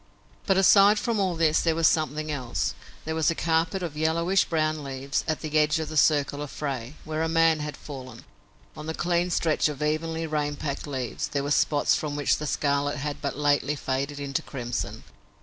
But, aside from all this, there was something else. There was a carpet of yellowish brown leaves, at the edge of the circle of fray, where a man had fallen. On the clean stretch of evenly rain packed leaves there were spots from which the scarlet had but lately faded into crimson.